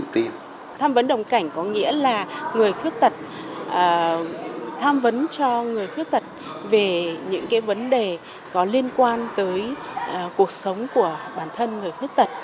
tham vấn cho người khuyết tật về những vấn đề có liên quan tới cuộc sống của bản thân người khuyết tật